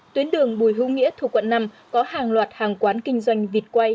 tuyến đường bùi hưu nghĩa thuộc quận năm có hàng loạt hàng quán kinh doanh vịt quay